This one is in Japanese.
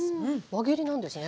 輪切りなんですね。